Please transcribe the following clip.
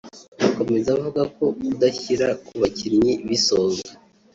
Akomeza avuga ko kudashyira ku bakinnyi b’Isonga